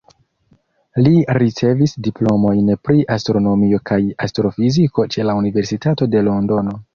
Li ricevis diplomojn pri astronomio kaj astrofiziko ĉe la Universitato de Londono.